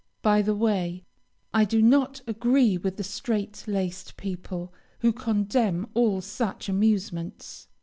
By the way, I do not agree with the straight laced people, who condemn all such amusements.